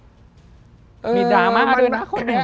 มีดรามะด้วยนะคนนี้